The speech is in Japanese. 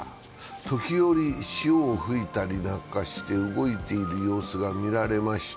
時折、潮を吹いたりなんかして動いている様子が見られました。